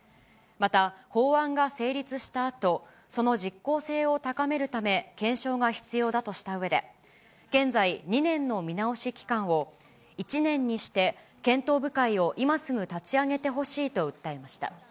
また、法案が成立したあと、その実効性を高めるため、検証が必要だとしたうえで、現在、２年の見直し期間を、１年にして、検討部会を今すぐ立ち上げてほしいと訴えました。